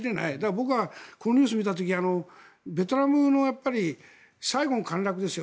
僕は、このニュースを見た時ベトナムのサイゴンの陥落ですよ。